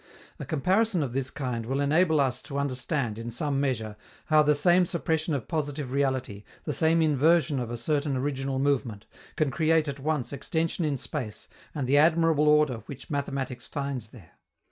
A comparison of this kind will enable us to understand, in some measure, how the same suppression of positive reality, the same inversion of a certain original movement, can create at once extension in space and the admirable order which mathematics finds there.